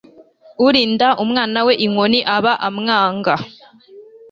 Urinda umwana we inkoni aba amwanga